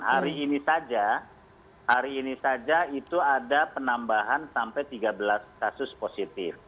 hari ini saja hari ini saja itu ada penambahan sampai tiga belas kasus positif